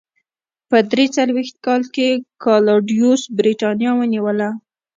په درې څلوېښت کال کې کلاډیوس برېټانیا ونیوله.